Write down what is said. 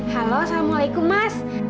halo assalamualaikum mas